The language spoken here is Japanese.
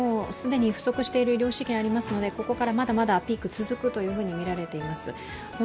既に不足している医療資源がありますので、ここからまだまだピークが続くとみられています。